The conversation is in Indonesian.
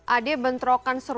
ada bentrokan sebuah